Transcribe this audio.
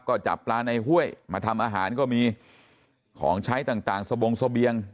ก็จับปลาในห้วยมาทำอาหารก็มีของใช้ต่างสบงเสบียง